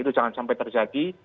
itu jangan sampai terjadi